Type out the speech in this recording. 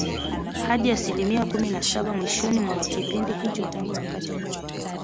hadi asilimia kumi na saba mwishoni mwa kipindi hicho Tangu wakati huo